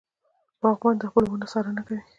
باغبان د خپلو ونو څارنه کوي.